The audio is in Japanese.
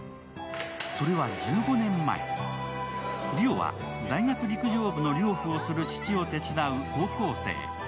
それは１５年前、梨央は大学陸上部の寮父をする父を手伝う高校生。